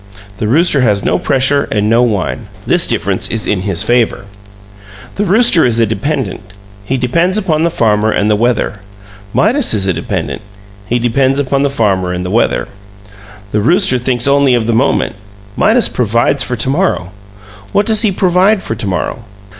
The rooster has no pressure and no wine; this difference is in his favor. The rooster is a dependent; he depends upon the farmer and the weather. Midas is a dependent; he depends upon the farmer and the weather. The rooster thinks only of the moment; Midas provides for to morrow. What does he provide for to morrow?